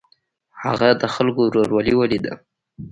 هغه د خلکو ورورولي ولیده.